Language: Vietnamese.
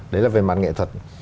đấy là về mặt nghệ thuật